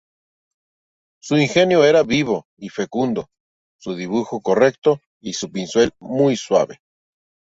Su genio era vivo y fecundo, su dibujo correcto y su pincel muy suave.